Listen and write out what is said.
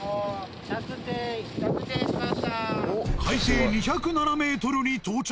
海底２０７ｍに到着。